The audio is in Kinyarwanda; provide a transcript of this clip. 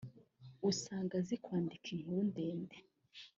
ugasanga azi kwandika inkuru ndende